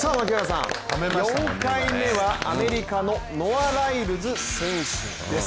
４回目はアメリカのノア・ライルズ選手です。